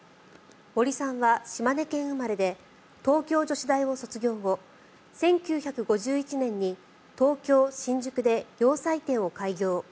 森さんは島根県生まれで東京女子大を卒業後１９５１年に東京・新宿で洋裁店を開業。